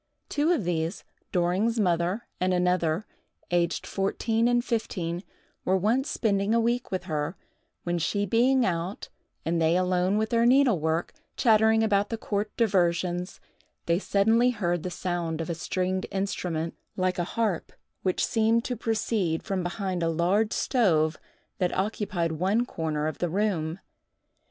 Two of these (Doring's mother and another), aged fourteen and fifteen, were once spending a week with her, when she being out and they alone with their needlework, chattering about the court diversions, they suddenly heard the sound of a stringed instrument, like a harp, which seemed to proceed from behind a large stove that occupied one corner of the room.